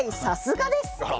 さすがです！